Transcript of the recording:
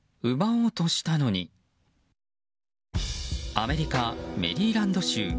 アメリカ・メリーランド州。